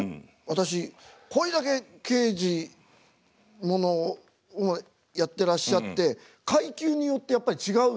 私これだけ刑事物をやってらっしゃって階級によってやっぱり違うんですか？